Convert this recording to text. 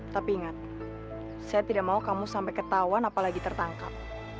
tapi ingat saya tidak mau kamu sampai ketahuan apalagi tertangkap